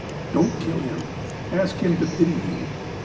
Don't kill him. Ask him to pity you.'